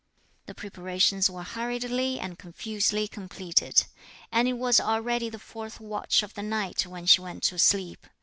The preparations were hurriedly and confusedly completed; and it was already the fourth watch of the night when she went to sleep.